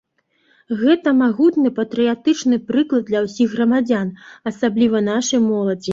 Гэта магутны патрыятычны прыклад для ўсіх грамадзян, асабліва нашай моладзі.